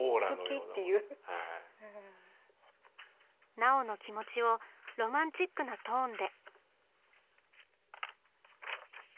奈緒の気持ちをロマンチックなトーンで！